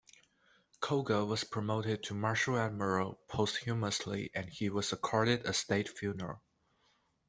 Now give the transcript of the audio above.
Koga was promoted to Marshal Admiral posthumously and he was accorded a state funeral.